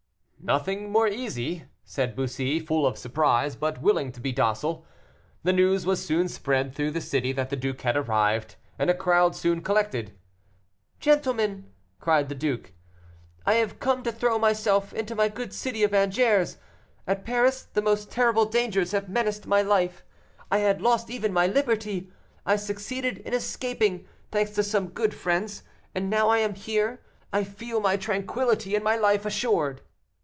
"Nothing more easy," said Bussy, full of surprise, but willing to be docile. The news was soon spread through the city that the duke had arrived, and a crowd soon collected. "Gentlemen!" cried the duke, "I have come to throw myself into my good city of Angers. At Paris the most terrible dangers have menaced my life I had lost even my liberty. I succeeded in escaping, thanks to some good friends, and now I am here I feel my tranquillity and my life assured."